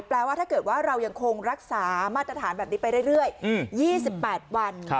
แปลว่าถ้าเกิดว่าเรายังคงรักษามาตรฐานแบบนี้ไปเรื่อย๒๘วัน